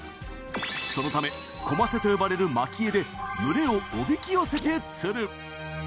そのためコマセと呼ばれる撒き餌で群れをおびき寄せて釣る。